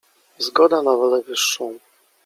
zgoda na wolę wyższą.